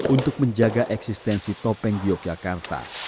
untuk menjaga eksistensi topeng yogyakarta